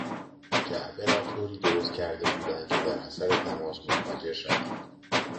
جعبه را طوری درستکرده بودند که در اثر تماس منفجر شود.